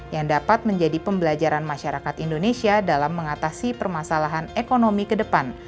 yang dapat menjadi pembelajaran masyarakat indonesia dalam mengatasi permasalahan ekonomi ke depan